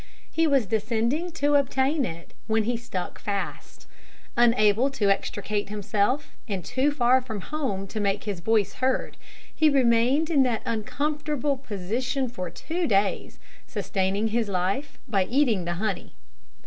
He was descending to obtain it, when he stuck fast. Unable to extricate himself, and too far from home to make his voice heard, he remained in that uncomfortable position for two days, sustaining his life by eating the honey.